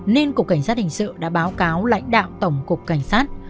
nên cục cảnh sát hình sự đã báo cáo lãnh đạo tổng cục cảnh sát